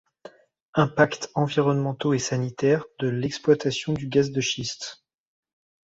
Impacts environnementaux et sanitaires de l'exploitation du gaz de schiste.